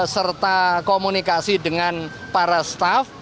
serta komunikasi dengan para staff